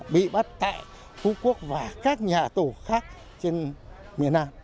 bị bắt tại phú quốc và các nhà tù khác trên miền nam